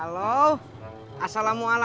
tidak ada motor